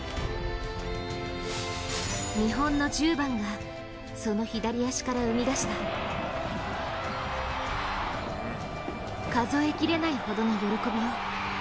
日本の１０番がその左足から生み出した数え切れないほどの喜びを。